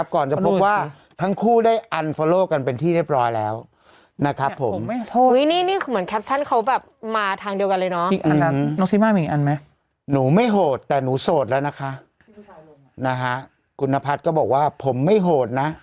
ก็เลยรู้ว่าพี่ให้ก็บอกว่าเหมือนว่าเขามาตามงอ